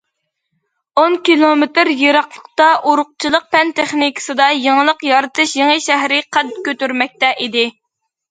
ئون كىلومېتىر يىراقلىقتا ئۇرۇقچىلىق پەن- تېخنىكىسىدا يېڭىلىق يارىتىش يېڭى شەھىرى قەد كۆتۈرمەكتە ئىدى.